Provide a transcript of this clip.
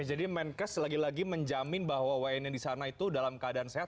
oke jadi menkes lagi lagi menjamin bahwa wn yang disana itu dalam keadaan sehat